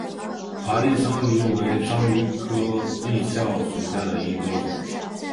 华丽章鱼为章鱼科丽蛸属下的一个种。